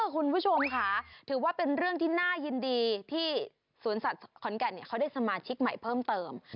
คุณผู้ชมค่ะถือว่าเป็นเรื่องที่น่ายินดีที่สวนสัตว์ขอนแก่นเขาได้สมาชิกใหม่เพิ่มเติม